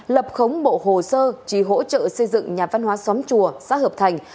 lập khống bộ hồ sơ trí hỗ trợ xây dựng nhà văn hóa xóm chùa xã hợp thành